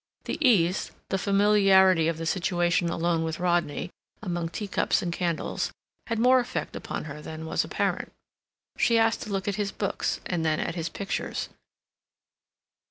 The ease, the familiarity of the situation alone with Rodney, among teacups and candles, had more effect upon her than was apparent. She asked to look at his books, and then at his pictures.